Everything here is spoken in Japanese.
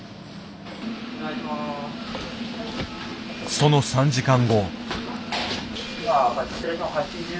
その３時間後。